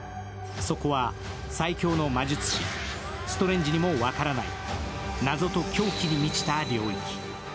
そこは最強の魔術師、ストレンジにも分からない謎と狂気に満ちた領域。